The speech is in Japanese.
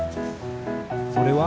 それは？